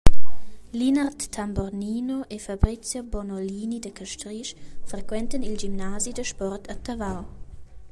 Linard Tambornino e Fabrizio Bonolini da Castrisch frequentan il gimnasi da sport a Tavau.